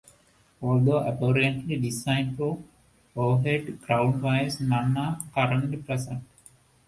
Although apparently designed for overhead ground wires, none are currently present.